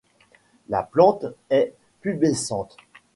La plante est pubescente.